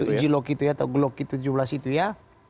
untuk jilok itu ya atau glock tujuh belas itu ya